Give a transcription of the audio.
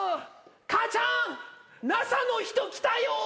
母ちゃんＮＡＳＡの人来たよ。